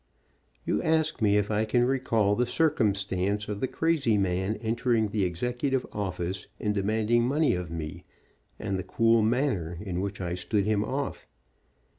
You ask me if I can recall the circumstance of the crazy man entering the executive office and demanding money of 28 WHEN DAD WAS SCARED me, and the cool manner in which I stood him off.